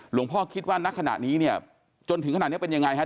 หลวงพ่อคิดว่าจนถึงขนาดนี้เป็นอย่างไร